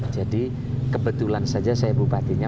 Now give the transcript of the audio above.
jadi kebetulan saja saya bupatinya